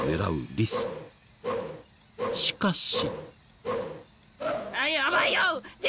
しかし。